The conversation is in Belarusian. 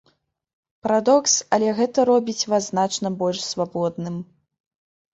Парадокс, але гэта робіць вас значна больш свабодным.